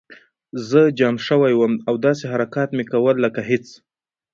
زه جام شوی وم او داسې حرکات مې کول لکه هېڅ